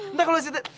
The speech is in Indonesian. entah kalo siapa